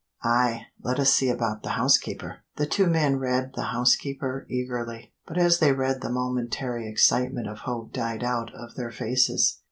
"Ay! let us see about the housekeeper." The two men read "The Housekeeper" eagerly, but as they read the momentary excitement of hope died out of their faces.